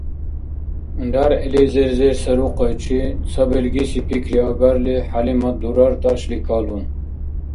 РяргӀили зерзерсарухъайчи ца белгиси пикри агарли, ХӀялимат дурар тӀашли калун.